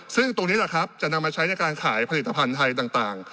ซึ่งตรงนี้แหละครับจะนำมาใช้ในการขายผลิตภัณฑ์ไทยต่าง